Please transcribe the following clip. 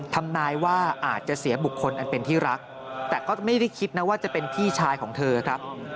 ทำนายว่าอาจจะเสียบุคคลอันเป็นที่รักแต่ก็ไม่ได้คิดนะว่าจะเป็นพี่ชายของเธอครับ